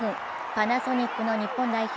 パナソニックの日本代表